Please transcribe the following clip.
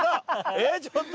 えっちょっと。